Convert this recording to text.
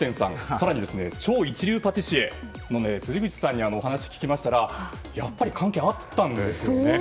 更に超一流パティシエの方にお話を聞きましたらやっぱり関係があったんです。